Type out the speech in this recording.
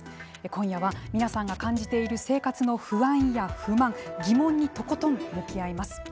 今夜は皆さんが感じている生活の不安や不満疑問にとことん向き合います。